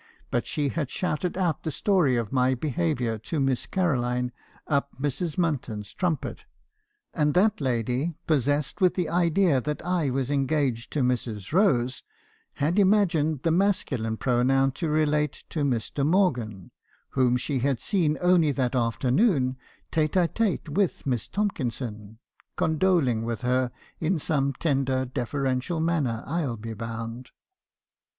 But she had shouted out the story of my behaviour to Miss Caroline up Mrs. Munton's trumpet; and that lady, possessed with the idea that I was engaged to Mrs. Rose, had imagined the masculine pronoun to relate to Mr. Morgan, whom she had seen only that afternoon tete a tete with Miss Tomkinson, condoling with her in some tender deferential manner, I '11 be bound.